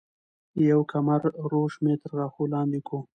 يو کمر روش مي تر غاښو لاندي کو